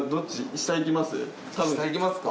下行きますか？